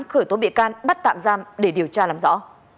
khởi tố bị can bắt tạm giam để điều tra làm rõ